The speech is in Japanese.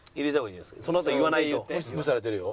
無視されてるよ。